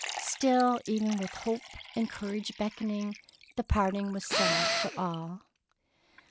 Still, even with Hope and Courage beckoning, the parting was sad for all.